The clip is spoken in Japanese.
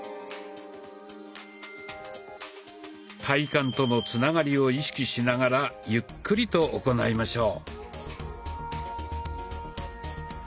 体幹とのつながりを意識しながらゆっくりと行いましょう。